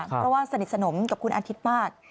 เพราะว่าสนิทสนมกับคุณอาทิตย์มาก